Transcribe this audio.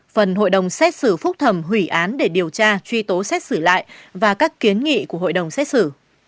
phần hội đồng xét xử phúc thẩm hủy án để điều tra truy tố xét xử lại và các kiến nghị của hội đồng xét xử